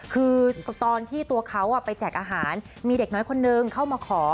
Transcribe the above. คือตอนที่ตัวเขาไปแจกอาหารมีเด็กน้อยคนนึงเข้ามาขอ